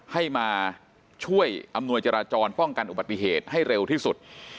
ให้มาช่วยอำนวยจราจรป้องกันอุบัติเหตุให้เร็วที่สุด